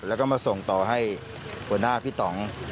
แล้วก็มาส่งต่อให้หัวหน้าพี่ต่อง